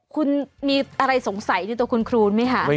คุณมีอะไรสงสัยในตัวคุณครูไหมคะ